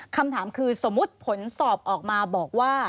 คำถามคือสมมุติผลสอบออกมาบอกว่า